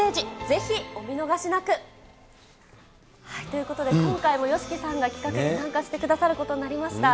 ぜひお見逃しなく。ということで、今回もＹＯＳＨＩＫＩさんが企画に参加してくださることになりました。